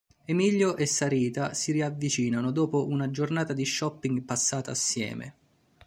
Emilio e Sarita si riavvicinano dopo una giornata di shopping passata assieme.